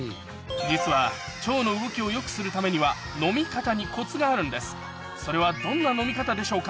実は腸の動きを良くするためには飲み方にコツがあるんですそれはどんな飲み方でしょうか？